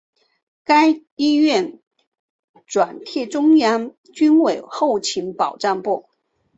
该医院转隶中央军委后勤保障部。